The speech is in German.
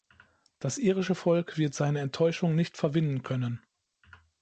Das irische Volk wird seine Enttäuschung nicht verwinden können.